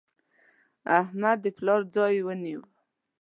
احمد د پلار ځای ونیو.